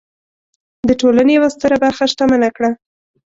د ټولنې یوه ستره برخه شتمنه کړه.